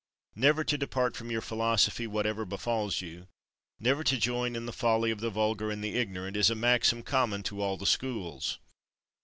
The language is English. Never to depart from your philosophy whatever befalls you, never to join in the folly of the vulgar and the ignorant, is a maxim common to all the schools.